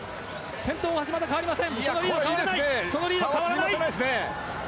先頭、大橋、変わりません！